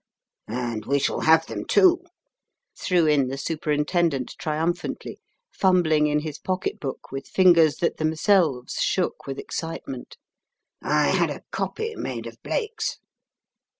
"And we shall have them, too," threw in the Superintendent triumphantly, fumbling in his pocket book with fingers that themselves shook with excite ment. "I had a copy made of Blake's."